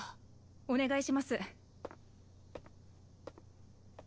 お願いします。